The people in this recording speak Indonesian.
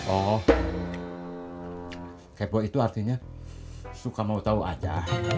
oh kepo itu artinya suka mau tau aja